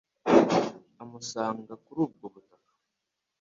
amusanga kuri ubwo butaka.